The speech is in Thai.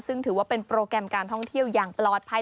ซึ่งถือว่าเป็นโปรแกรมการท่องเที่ยวอย่างปลอดภัย